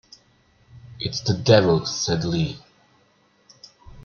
"It's the devil," said Lee.